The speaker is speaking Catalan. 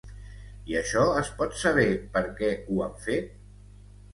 I això es pot saber per què ho han fet?